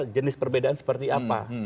jenis perbedaan seperti apa